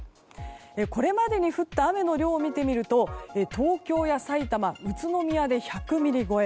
これまでに降った雨の量を見てみると東京やさいたま、宇都宮で１００ミリ超え。